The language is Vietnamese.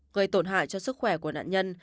gây tổn hại cho sức khỏe của nạn nhân